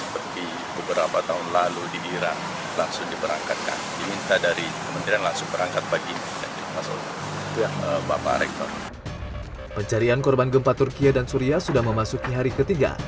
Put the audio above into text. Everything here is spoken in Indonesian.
pencarian korban gempa turkiye dan suria sudah memasuki hari ketiga